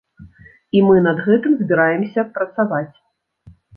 І мы над гэтым збіраемся працаваць.